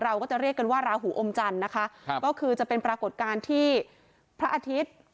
เราก็จะเรียกกันว่าราหวุอมจรรย์คือจะเป็นปรากฎการณ์ที่พระอาทิตย์